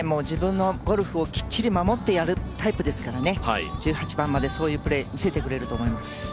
自分のゴルフをきっちり守ってやるタイプですから、１８番まで、そういうプレー見せてくれると思います。